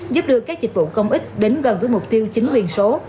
giúp đưa các dịch vụ công ích đến gần với mục tiêu chính quyền số